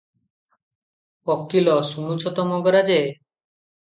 ଓକିଲ - "ଶୁଣୁଛ ତ ମଙ୍ଗରାଜେ!